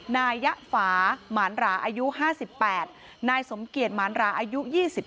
นายยฟาหมารราอายุ๕๘นายสมเกียรติหมารราอายุ๒๙